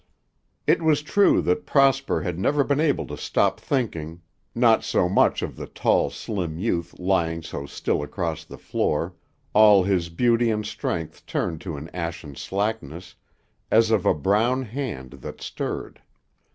It was true that Prosper had never been able to stop thinking, not so much of the tall, slim youth lying so still across the floor, all his beauty and strength turned to an ashen slackness, as of a brown hand that stirred.